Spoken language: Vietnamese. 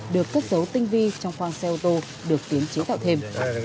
được cất dấu tinh vi trong khoang xe ô tô được tiến chế tạo thêm